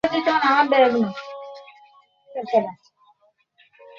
সব জায়গায় খুঁজলাম।